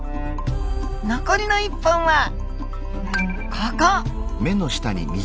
残りの１本はここ！